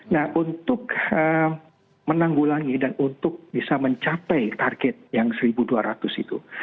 nah untuk menanggulangi dan untuk bisa mencapai target yang satu dua ratus itu